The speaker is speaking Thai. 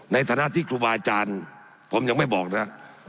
ในฐานะที่ครูบาอาจารย์ผมยังไม่บอกนะครับ